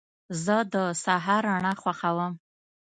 زه د سهار رڼا خوښوم.